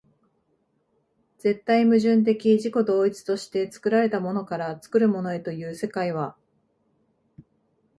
絶対矛盾的自己同一として作られたものから作るものへという世界は、